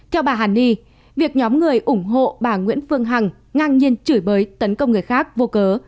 theo bà hàn ni việc nhóm người ủng hộ bà nguyễn phương hằng ngang nhiên chửi bới tấn công người khác vô cớ